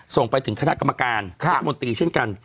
ส่งไปถึงคณะกรรมการรัฐมนตรีเช่นกัน